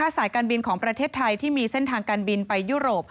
สายการบินของประเทศไทยที่มีเส้นทางการบินไปยุโรป